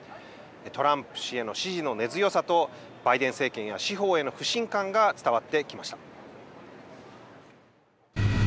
トランプ氏への支持の根強さと、バイデン政権や司法への不信感が伝わってきました。